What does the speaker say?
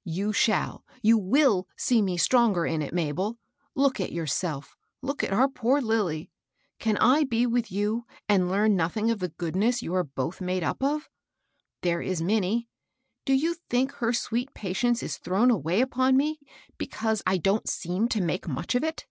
" You shall, — you will see me stronger in it, Mabel. Look at yourself, — look at our poor Lilly I Can I be with you, and learn nothing of the goodness you are both made up of ? There is Minnie. Do you think her sweet patience is thrown away upon me because I don't seem to make much of it